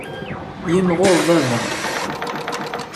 Yimɣur baba.